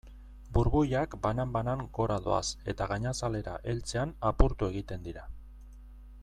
Burbuilak banan-banan gora doaz eta gainazalera heltzean apurtu egiten dira.